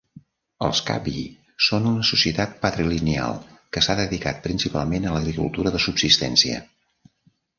Els Kabye són una societat patrilineal que s'ha dedicat principalment a l'agricultura de subsistència.